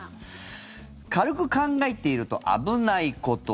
軽く考えていると危ないこと。